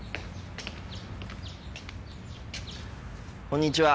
こんにちは。